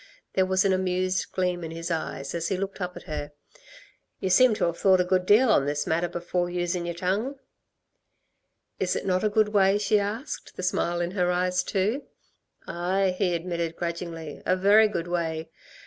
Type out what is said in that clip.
There was an amused gleam in his eyes as he looked up at her. "You seem to have thought a good deal on this matter before using y're tongue." "Is it not a good way?" she asked, the smile in her eyes, too. "Aye," he admitted grudgingly, "a very good way.